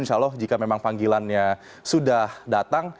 insya allah jika memang panggilannya sudah datang